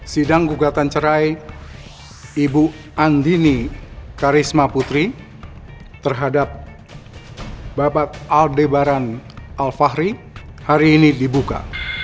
sidang gugatan cerai ibu andini karisma putri terhadap bapak aldebaran alfahri hari ini dibuka